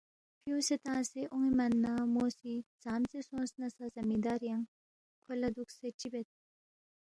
فیُونگسے تنگسے اون٘ے من نہ مو سی، ژامژے سونگس نہ سہ زمیندار ینگ، کھو لہ دُوکسے چِہ بید؟